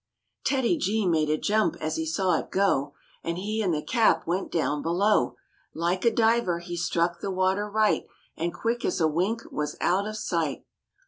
TEDDY G made a jump as he saw it g ° And he and the cap went down below. Like a diver he struck the water right And quick as a wink was out of sight.